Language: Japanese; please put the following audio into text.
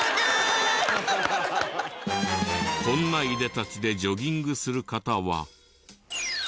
こんないでたちでジョギングする方は。